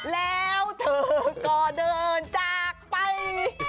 แล้วเธอก็เดินจากไป